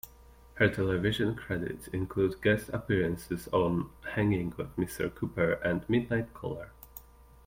Her television credits include guest appearances on "Hangin' with Mr. Cooper" and "Midnight Caller".